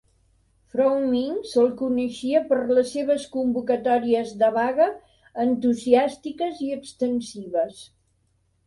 Froemming se'l coneixia per les seves convocatòries de vaga entusiàstiques i extensives.